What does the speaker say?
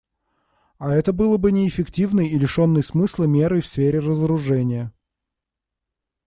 А это было бы неэффективной и лишенной смысла мерой в сфере разоружения.